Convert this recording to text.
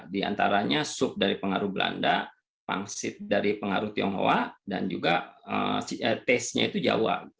di antaranya sup dari pengaruh belanda pangsit dari pengaruh tionghoa dan juga taste nya itu jawa